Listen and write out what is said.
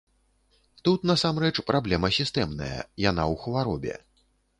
Тут насамрэч праблема сістэмная, яна ў хваробе.